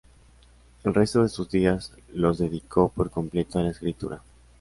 El resto de sus días los dedicó por completo a la escritura.